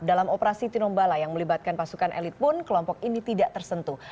dalam operasi tinombala yang melibatkan pasukan elit pun kelompok ini tidak tersentuh